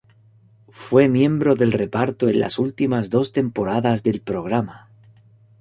Fue miembro del reparto en las últimas dos temporadas del programa.